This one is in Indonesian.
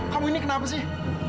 kamu ini kenapa sih